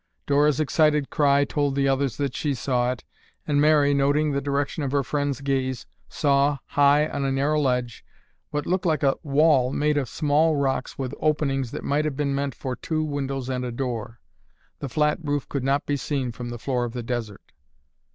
Dora's excited cry told the others that she saw it, and Mary, noting the direction of her friend's gaze, saw, high on a narrow ledge, what looked like a wall made of small rocks with openings that might have been meant for two windows and a door. The flat roof could not be seen from the floor of the desert.